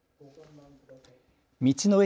道の駅